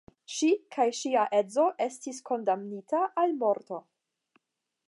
Ŝi kaj ŝia edzo estis kondamnita al morto.